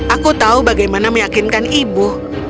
aku tahu bagaimana meyakinkan ibu